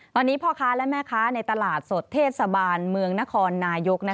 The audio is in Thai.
ตอนนี้พ่อค้าและแม่ค้าในตลาดสดเทศบาลเมืองนครนายก